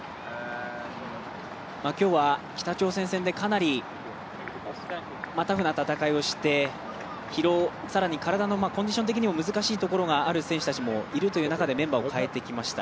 今日は北朝鮮戦でかなりタフな戦いをして疲労、更に体のコンディション的にも難しいところが多い選手もいるという中でメンバーを変えてきました。